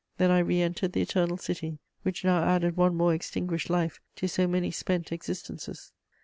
Then I re entered the Eternal City, which now added one more extinguished life to so many spent existences.